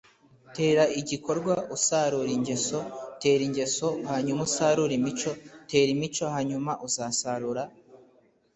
tera igikorwa usarura ingeso. tera ingeso hanyuma usarure imico. tera imico hanyuma uzasarura